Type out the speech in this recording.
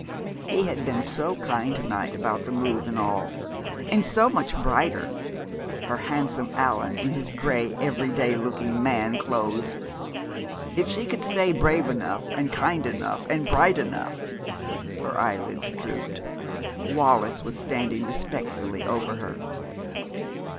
He had been so kind to night about the move and all, and so much brighter, her handsome Allan in his gray, every day looking man clothes! If she could stay brave enough and kind enough and bright enough ... her eyelids drooped.... Wallis was standing respectfully over her.